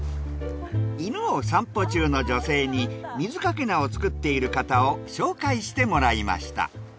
犬を散歩中の女性に水かけ菜を作っている方を紹介してもらいました。